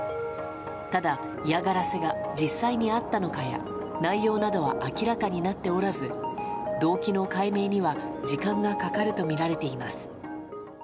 ただ、嫌がらせが実際にあったのかや内容などは明らかになっておらず動機の解明には時間がかかるとみられています。